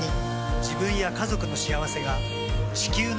自分や家族の幸せが地球の幸せにつながっている。